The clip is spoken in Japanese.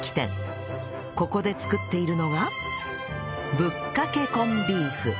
ここで作っているのがぶっかけコンビーフ